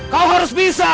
kau harus bisa